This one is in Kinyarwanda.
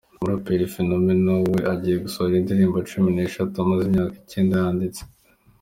Umuraperi Phenomenal we agiye gusohora indirimbo cumi n’eshatu amaze imyaka icyenda yanditse.